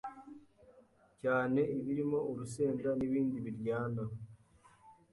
cyane ibirimo urusenda n’ibindi biryana